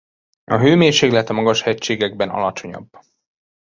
A hőmérséklet a magas hegységekben alacsonyabb.